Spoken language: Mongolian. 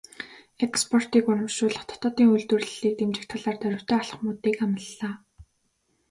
Экспортыг урамшуулах, дотоодын үйлдвэрлэлийг дэмжих талаар дорвитой алхмуудыг амлалаа.